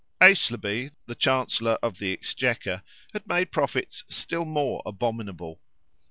Aislabie, the Chancellor of the Exchequer, had made profits still more abominable.